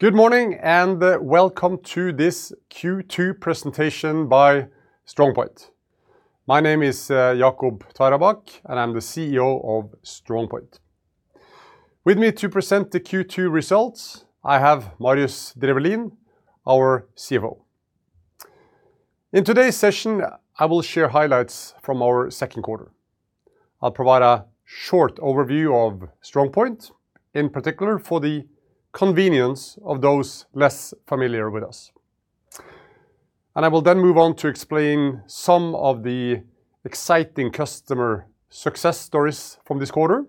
Good morning, and welcome to this Q2 presentation by StrongPoint. My name is Jacob Tveraabak, and I'm the CEO of StrongPoint. With me to present the Q2 results, I have Marius Drefvelin, our CFO. In today's session, I will share highlights from our second quarter. I'll provide a short overview of StrongPoint, in particular for the convenience of those less familiar with us. I will then move on to explain some of the exciting customer success stories from this quarter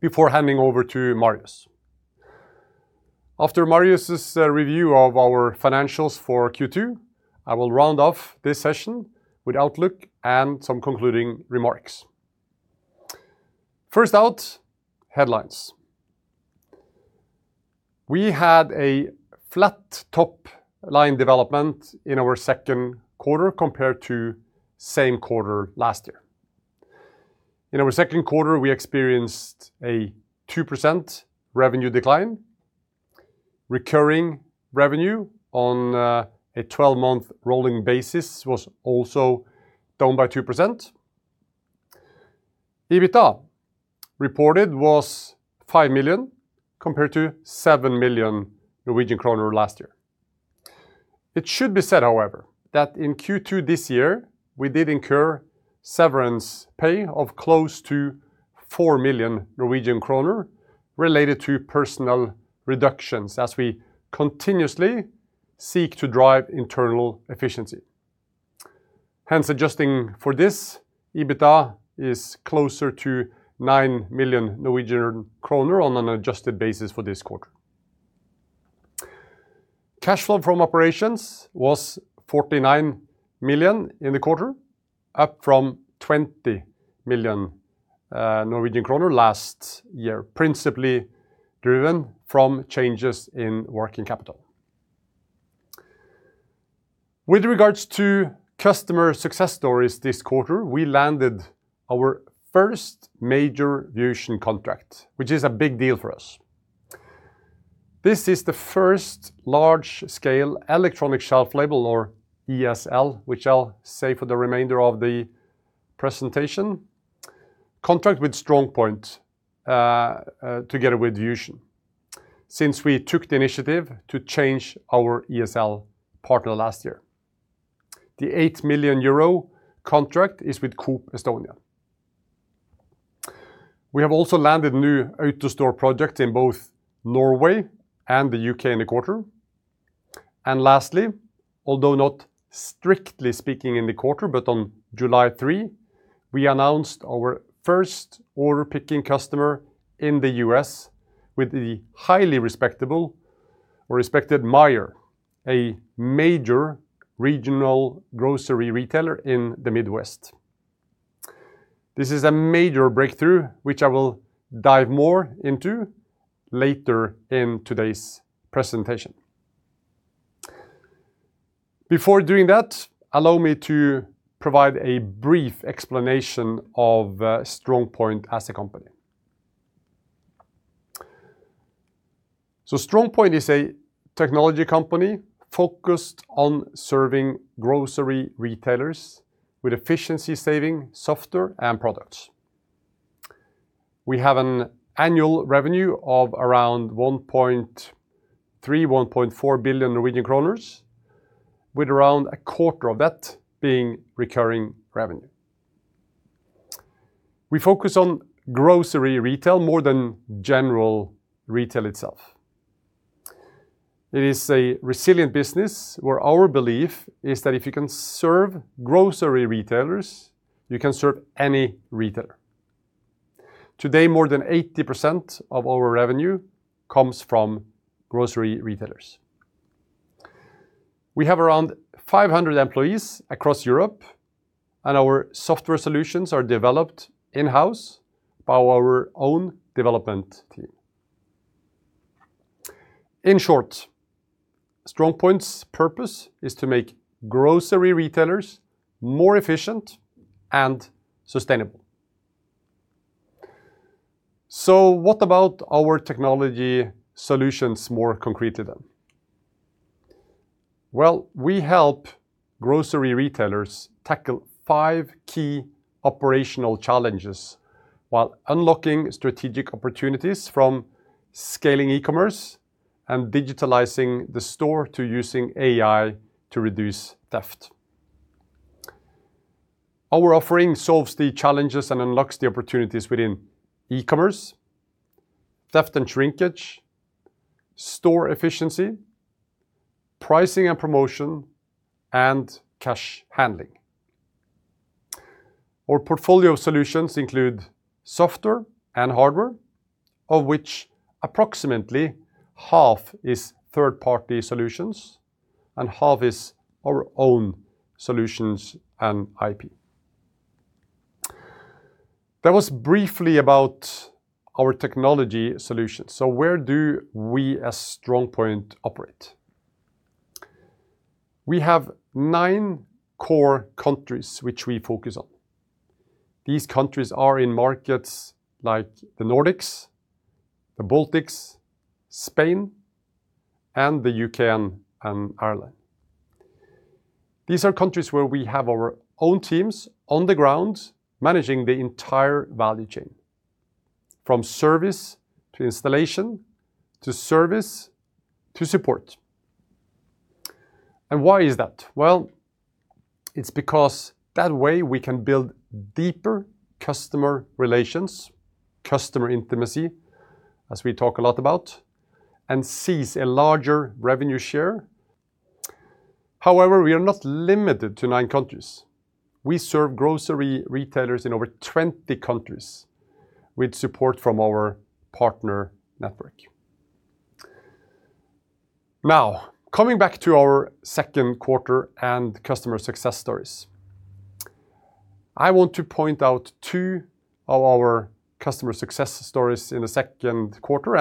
before handing over to Marius. After Marius's review of our financials for Q2, I will round off this session with outlook and some concluding remarks. First out, headlines. We had a flat top-line development in our second quarter compared to same quarter last year. In our second quarter, we experienced a 2% revenue decline. Recurring revenue on a 12-month rolling basis was also down by 2%. EBITDA reported was 5 million compared to 7 million Norwegian kroner last year. It should be said, however, that in Q2 this year, we did incur severance pay of close to 4 million Norwegian kroner related to personal reductions as we continuously seek to drive internal efficiency. Hence, adjusting for this, EBITDA is closer to 9 million Norwegian kroner on an adjusted basis for this quarter. Cash flow from operations was 49 million in the quarter, up from 20 million Norwegian kroner last year, principally driven from changes in working capital. With regards to customer success stories this quarter, we landed our first major VusionGroup contract, which is a big deal for us. This is the first large-scale electronic shelf label or ESL, which I'll say for the remainder of the presentation, contract with StrongPoint together with VusionGroup, since we took the initiative to change our ESL partner last year. The 8 million euro contract is with Coop Estonia. We have also landed new out-of-store projects in both Norway and the U.K. in the quarter. Lastly, although not strictly speaking in the quarter, but on July 3, we announced our first order picking customer in the U.S. with the highly respectable or respected Meijer, a major regional grocery retailer in the Midwest. This is a major breakthrough, which I will dive more into later in today's presentation. Before doing that, allow me to provide a brief explanation of StrongPoint as a company. StrongPoint is a technology company focused on serving grocery retailers with efficiency saving software and products. We have an annual revenue of around 1.3 billion, 1.4 billion Norwegian kroner, with around a quarter of that being recurring revenue. We focus on grocery retail more than general retail itself. It is a resilient business where our belief is that if you can serve grocery retailers, you can serve any retailer. Today, more than 80% of our revenue comes from grocery retailers. We have around 500 employees across Europe, and our software solutions are developed in-house by our own development team. In short, StrongPoint's purpose is to make grocery retailers more efficient and sustainable. What about our technology solutions more concretely then? Well, we help grocery retailers tackle five key operational challenges while unlocking strategic opportunities from scaling e-commerce and digitalizing the store to using AI to reduce theft. Our offering solves the challenges and unlocks the opportunities within e-commerce, theft and shrinkage, store efficiency, pricing and promotion, and cash handling. Our portfolio solutions include software and hardware, of which approximately half is third-party solutions and half is our own solutions and IP. That was briefly about our technology solutions. Where do we as StrongPoint operate? We have nine core countries which we focus on. These countries are in markets like the Nordics, the Baltics, Spain, and the U.K. and Ireland. These are countries where we have our own teams on the ground managing the entire value chain, from service to installation, to service, to support. Why is that? Well, it's because that way we can build deeper customer relations, customer intimacy, as we talk a lot about, and seize a larger revenue share. However, we are not limited to nine countries. We serve grocery retailers in over 20 countries with support from our partner network. Coming back to our second quarter and customer success stories. I want to point out two of our customer success stories in the second quarter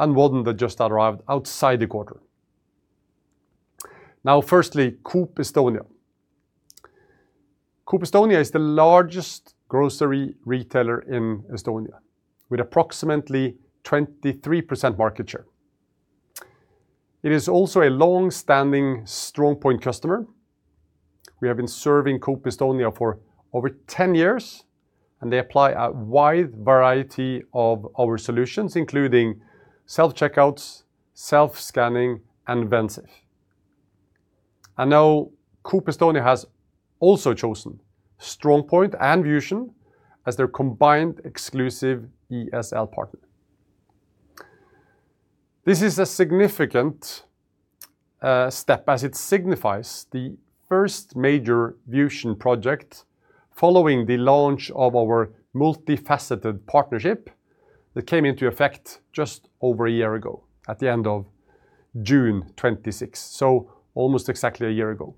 and one that just arrived outside the quarter. Firstly, Coop Estonia. Coop Estonia is the largest grocery retailer in Estonia, with approximately 23% market share. It is also a long-standing, StrongPoint customer. We have been serving Coop Estonia for over 10 years, and they apply a wide variety of our solutions, including self-checkouts, self-scanning, and Vensafe. Coop Estonia has also chosen StrongPoint and Vusion as their combined exclusive ESL partner. This is a significant step as it signifies the first major Vusion project following the launch of our multifaceted partnership that came into effect just over a year ago, at the end of June 2025. Almost exactly a year ago.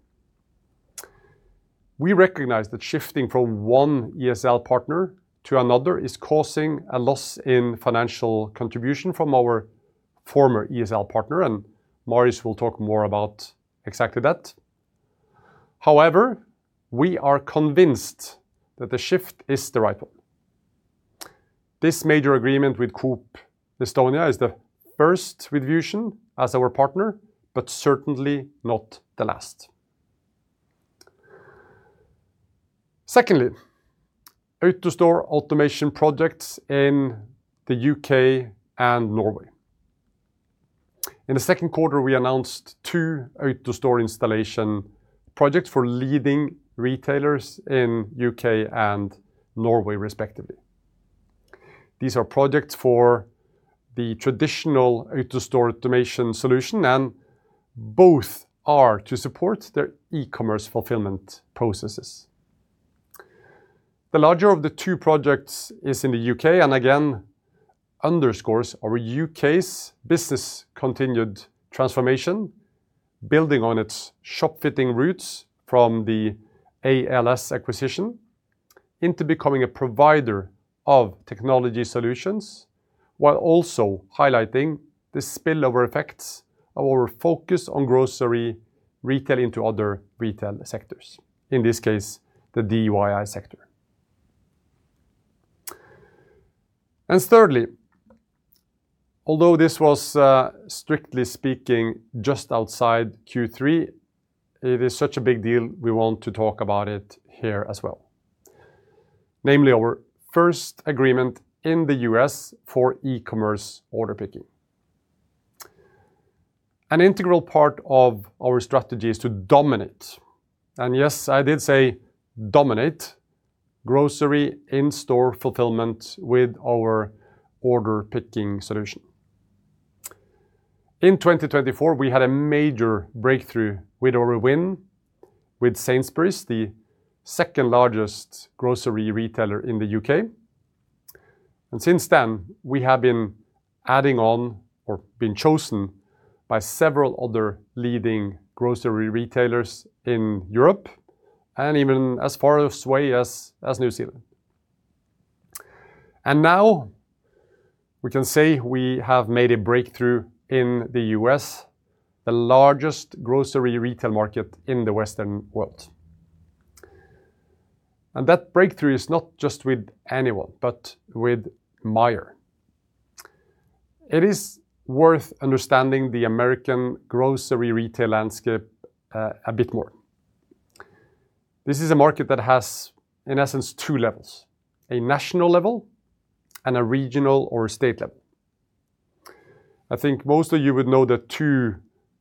We recognize that shifting from one ESL partner to another is causing a loss in financial contribution from our former ESL partner. Marius will talk more about exactly that. However, we are convinced that the shift is the right one. This major agreement with Coop Estonia is the first with Vusion as our partner, certainly not the last. Secondly, AutoStore automation projects in the U.K. and Norway. In the second quarter, we announced two AutoStore installation projects for leading retailers in U.K. and Norway respectively. These are projects for the traditional AutoStore automation solution, both are to support their e-commerce fulfillment processes. The larger of the two projects is in the U.K., again, underscores our U.K.'s business continued transformation, building on its shop fitting routes from the ALS acquisition into becoming a provider of technology solutions, while also highlighting the spillover effects of our focus on grocery retail into other retail sectors, in this case, the DIY sector. Thirdly, although this was, strictly speaking, just outside Q3, it is such a big deal, we want to talk about it here as well. Namely our first agreement in the U.S. for e-commerce order picking. An integral part of our strategy is to dominate, yes, I did say dominate grocery in-store fulfillment with our order picking solution. In 2024, we had a major breakthrough with our win with Sainsbury's, the second-largest grocery retailer in the U.K. Since then, we have been adding on or been chosen by several other leading grocery retailers in Europe and even as far away as New Zealand. Now we can say we have made a breakthrough in the U.S., the largest grocery retail market in the Western world. That breakthrough is not just with anyone, with Meijer. It is worth understanding the American grocery retail landscape a bit more. This is a market that has, in essence, two levels: a national level and a regional or state level. I think most of you would know the two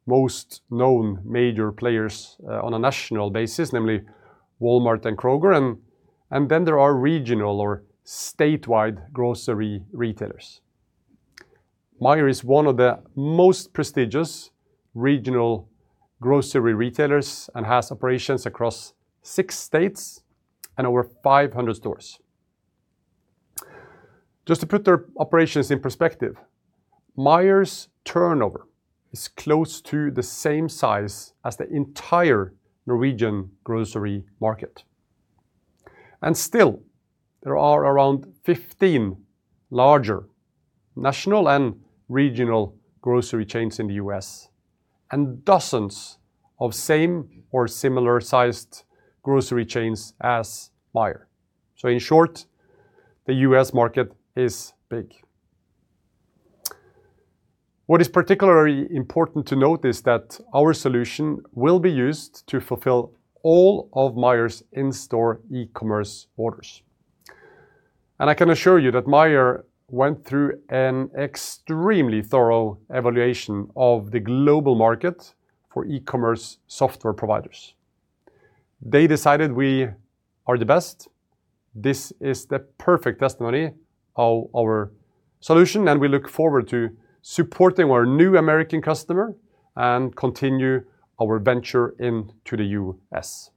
most known major players on a national basis, namely Walmart and Kroger, then there are regional or statewide grocery retailers. Meijer is one of the most prestigious regional grocery retailers and has operations across six states and over 500 stores. Just to put their operations in perspective, Meijer's turnover is close to the same size as the entire Norwegian grocery market. Still, there are around 15 larger national and regional grocery chains in the U.S., and dozens of same or similar-sized grocery chains as Meijer. In short, the U.S. market is big. What is particularly important to note is that our solution will be used to fulfill all of Meijer's in-store e-commerce orders. I can assure you that Meijer went through an extremely thorough evaluation of the global market for e-commerce software providers. They decided we are the best. This is the perfect testimony of our solution, and we look forward to supporting our new American customer and continue our venture into the U.S.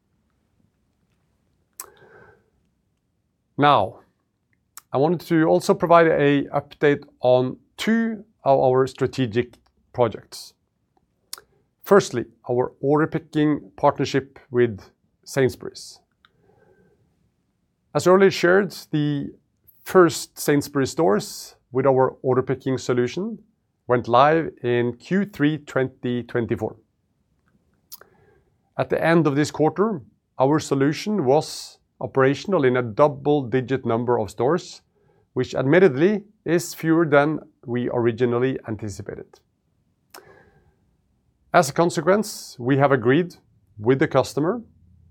I wanted to also provide an update on two of our strategic projects. Firstly, our order picking partnership with Sainsbury's. As earlier shared, the first Sainsbury's stores with our order picking solution went live in Q3 2024. At the end of this quarter, our solution was operational in a double digit number of stores, which admittedly is fewer than we originally anticipated. A consequence, we have agreed with the customer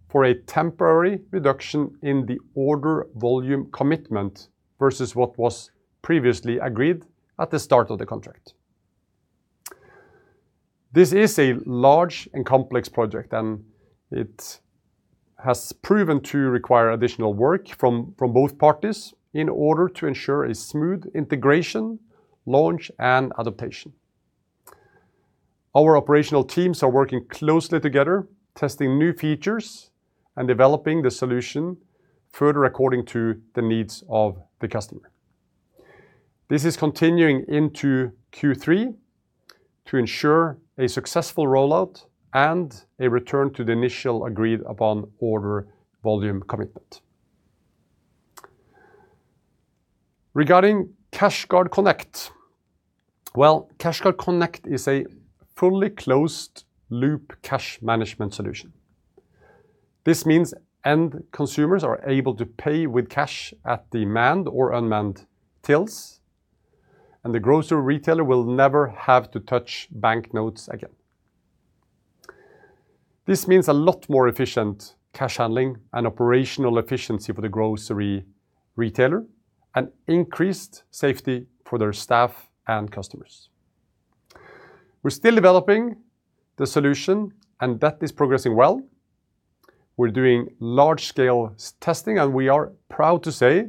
for a temporary reduction in the order volume commitment versus what was previously agreed at the start of the contract. This is a large and complex project. It has proven to require additional work from both parties in order to ensure a smooth integration, launch, and adaptation. Our operational teams are working closely together, testing new features and developing the solution further according to the needs of the customer. This is continuing into Q3 to ensure a successful rollout and a return to the initial agreed-upon order volume commitment. Regarding CashGuard Connect. CashGuard Connect is a fully closed-loop cash management solution. This means end consumers are able to pay with cash at the manned or unmanned tills. The grocery retailer will never have to touch banknotes again. This means a lot more efficient cash handling and operational efficiency for the grocery retailer and increased safety for their staff and customers. We're still developing the solution. That is progressing well. We're doing large-scale testing. We are proud to say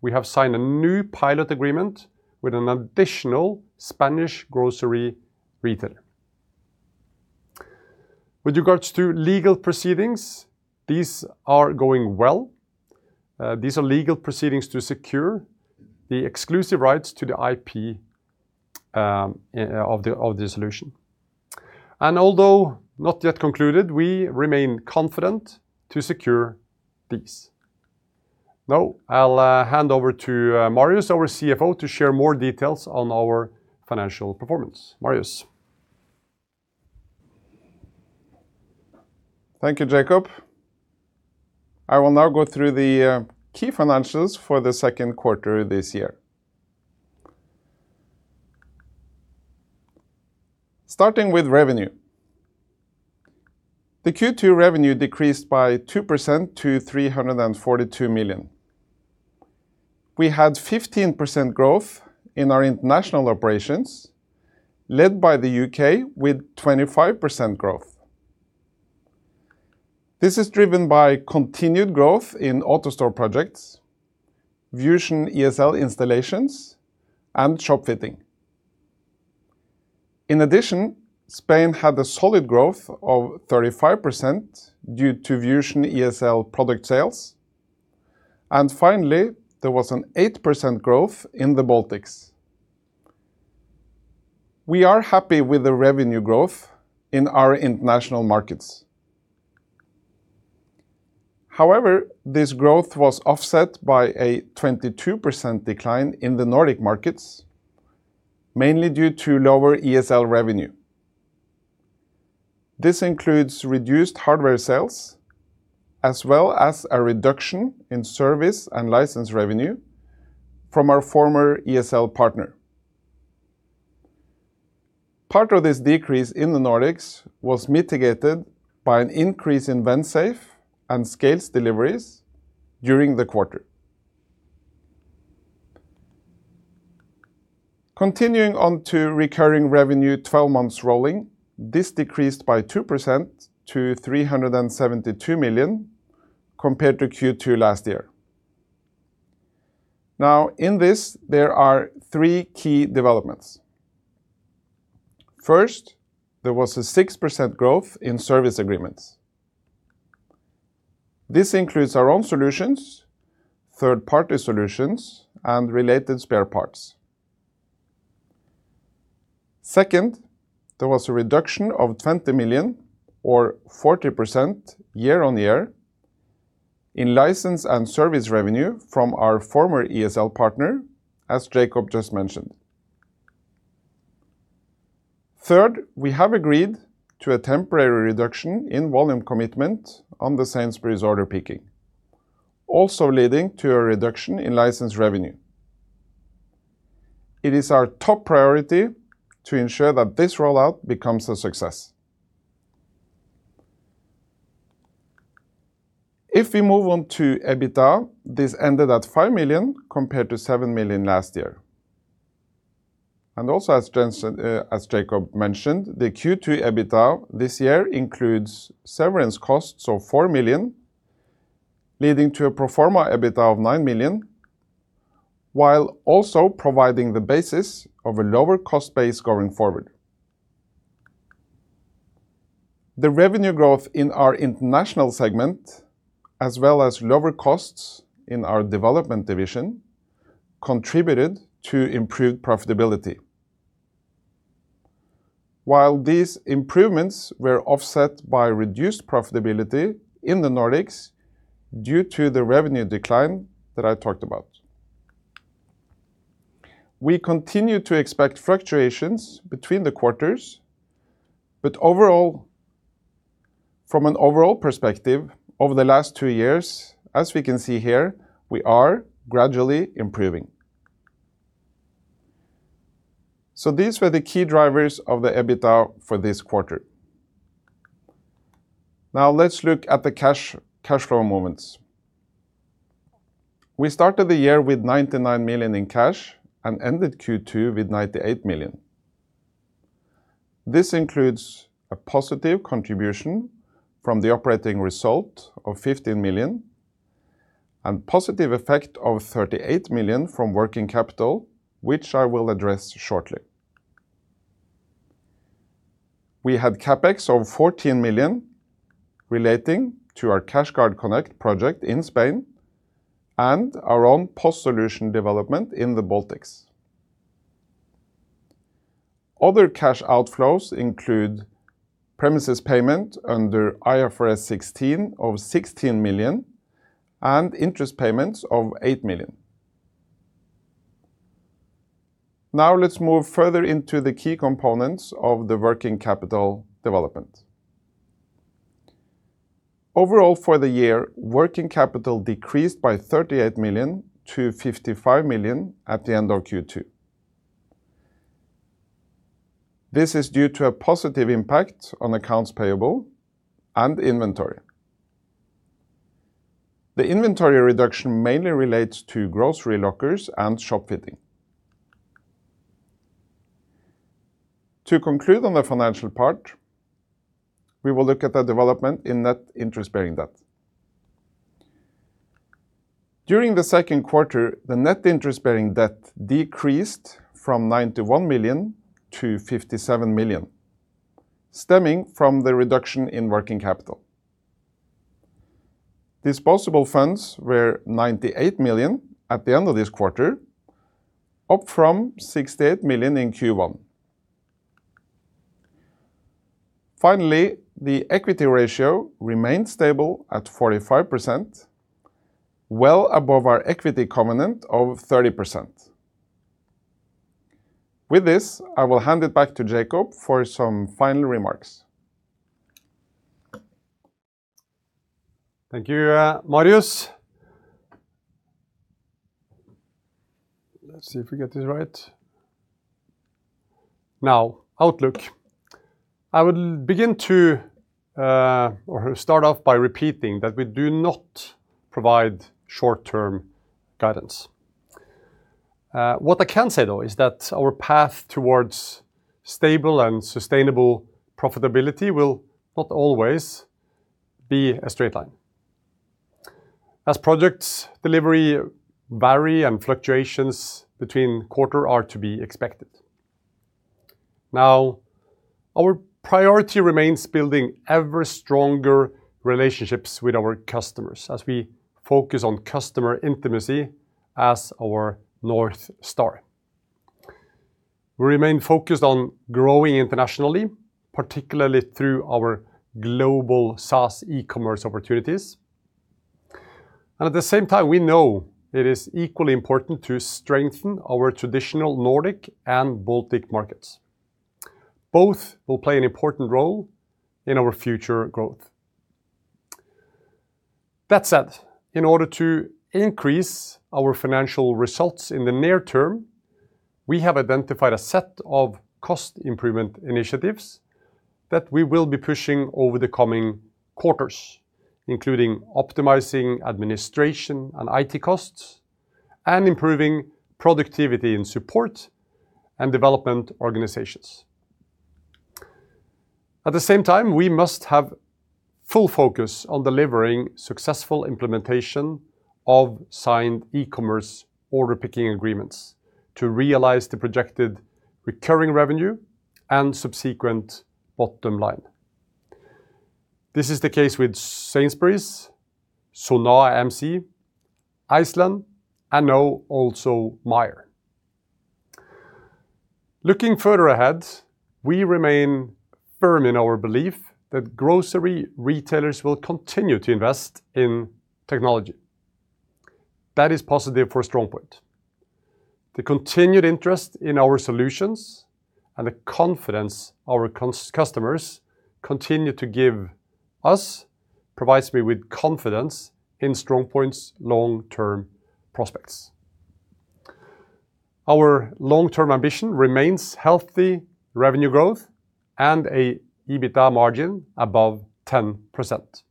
we have signed a new pilot agreement with an additional Spanish grocery retailer. Regards to legal proceedings, these are going well. These are legal proceedings to secure the exclusive rights to the IP of the solution. Although not yet concluded, we remain confident to secure these. I'll hand over to Marius, our CFO, to share more details on our financial performance. Marius? Thank you, Jacob. I will now go through the key financials for the second quarter this year. Starting with revenue. The Q2 revenue decreased by 2% to 342 million. We had 15% growth in our international operations, led by the U.K. with 25% growth. This is driven by continued growth in AutoStore projects, Vusion ESL installations, and shop fitting. In addition, Spain had a solid growth of 35% due to Vusion ESL product sales. Finally, there was an 8% growth in the Baltics. We are happy with the revenue growth in our international markets. However, this growth was offset by a 22% decline in the Nordic markets, mainly due to lower ESL revenue. This includes reduced hardware sales, as well as a reduction in service and license revenue from our former ESL partner. Part of this decrease in the Nordics was mitigated by an increase in Vensafe and Scales deliveries during the quarter. Continuing on to recurring revenue 12 months rolling, this decreased by 2% to 372 million compared to Q2 last year. In this, there are three key developments. First, there was a 6% growth in service agreements. This includes our own solutions, third-party solutions, and related spare parts. Second, there was a reduction of 20 million or 40% year-on-year in license and service revenue from our former ESL partner, as Jacob just mentioned. Third, we have agreed to a temporary reduction in volume commitment on the Sainsbury's order picking, also leading to a reduction in license revenue. It is our top priority to ensure that this rollout becomes a success. If we move on to EBITDA, this ended at 5 million compared to 7 million last year. Also as Jacob mentioned, the Q2 EBITDA this year includes severance costs of 4 million, leading to a pro forma EBITDA of 9 million, while also providing the basis of a lower cost base going forward. The revenue growth in our international segment, as well as lower costs in our development division, contributed to improved profitability. While these improvements were offset by reduced profitability in the Nordics due to the revenue decline that I talked about. We continue to expect fluctuations between the quarters, but from an overall perspective, over the last two years, as we can see here, we are gradually improving. These were the key drivers of the EBITDA for this quarter. Let's look at the cash flow movements. We started the year with 99 million in cash and ended Q2 with 98 million. This includes a positive contribution from the operating result of 15 million and positive effect of 38 million from working capital, which I will address shortly. We had CapEx of 14 million relating to our CashGuard Connect project in Spain and our own POS solution development in the Baltics. Other cash outflows include premises payment under IFRS 16 of 16 million and interest payments of 8 million. Let's move further into the key components of the working capital development. Overall for the year, working capital decreased by 38 million-55 million at the end of Q2. This is due to a positive impact on accounts payable and inventory. The inventory reduction mainly relates to grocery lockers and shop fitting. To conclude on the financial part, we will look at the development in net interest-bearing debt. During the second quarter, the net interest-bearing debt decreased from 91 million to 57 million, stemming from the reduction in working capital. Disposable funds were 98 million at the end of this quarter, up from 68 million in Q1. Finally, the equity ratio remained stable at 45%, well above our equity covenant of 30%. With this, I will hand it back to Jacob for some final remarks. Thank you, Marius. Let's see if we get this right. Now, outlook. I would start off by repeating that we do not provide short-term guidance. What I can say, though, is that our path towards stable and sustainable profitability will not always be a straight line, as projects delivery vary and fluctuations between quarter are to be expected. Now, our priority remains building ever stronger relationships with our customers as we focus on customer intimacy as our North Star. We remain focused on growing internationally, particularly through our global SaaS e-commerce opportunities. At the same time, we know it is equally important to strengthen our traditional Nordic and Baltic markets. Both will play an important role in our future growth. That said, in order to increase our financial results in the near term, we have identified a set of cost improvement initiatives that we will be pushing over the coming quarters, including optimizing administration and IT costs and improving productivity and support and development organizations. At the same time, we must have full focus on delivering successful implementation of signed e-commerce order picking agreements to realize the projected recurring revenue and subsequent bottom line. This is the case with Sainsbury's, Sonae MC, Iceland, and now also Meijer. Looking further ahead, we remain firm in our belief that grocery retailers will continue to invest in technology. That is positive for StrongPoint. The continued interest in our solutions, and the confidence our customers continue to give us, provides me with confidence in StrongPoint's long-term prospects. Our long-term ambition remains healthy revenue growth and an EBITDA margin above 10%.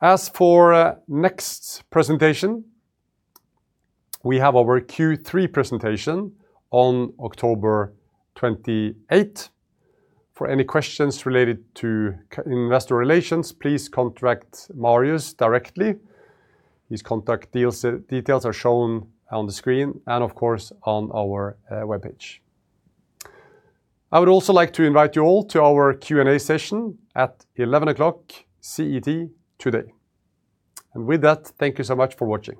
As for next presentation, we have our Q3 presentation on October 28th. For any questions related to investor relations, please contact Marius directly. His contact details are shown on the screen and of course, on our webpage. I would also like to invite you all to our Q&A session at 11:00 A.M. CET today. With that, thank you so much for watching.